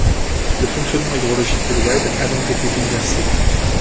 Le fonctionnement hydrologique de l'oued a donc été bouleversé.